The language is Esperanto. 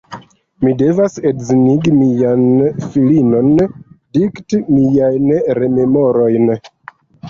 Mi devas edzinigi mian filinon, dikti miajn rememorojn.